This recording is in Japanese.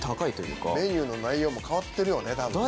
メニューの内容も変わってるよね多分ね。